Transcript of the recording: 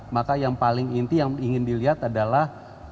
maka yang paling inti yang ingin dilihat adalah